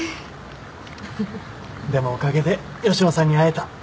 でもおかげで吉野さんに会えた。